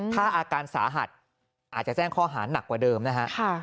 ถ้าอาการสาหัสอาจจะแจ้งข้อหาหนักกว่าเดิมนะฮะ